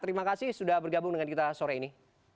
terima kasih sudah bergabung dengan kita sore ini